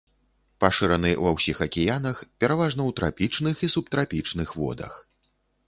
Пашыраны ва ўсіх акіянах, пераважна ў трапічных і субтрапічных водах.